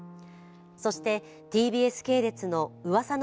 そして、ＴＢＳ系列の「噂の！